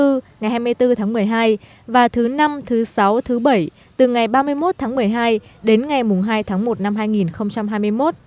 đơn vị này sẽ chạy tàu sp bốn hà nội lào cai các ngày thứ tư ngày hai mươi bốn tháng một mươi hai và thứ năm thứ sáu thứ bảy từ ngày ba mươi một tháng một mươi hai đến ngày hai tháng một năm hai nghìn hai mươi một